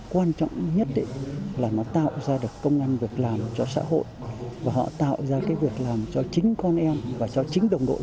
không chỉ được giao bán tại các lễ hội truyền thống